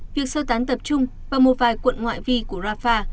việc sơ tán tập trung vào một vài quận ngoại vi của rafah